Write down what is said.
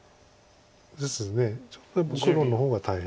ちょっとやっぱり黒の方が大変。